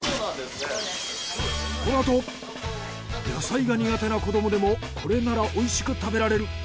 このあと野菜が苦手な子どもでもこれなら美味しく食べられる！